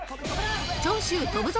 長州“飛ぶぞ”